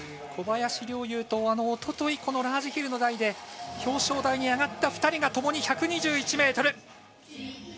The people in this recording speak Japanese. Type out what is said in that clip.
小林陵侑とおとといラージヒルの台で表彰台に上がった２人がともに１２１ｍ。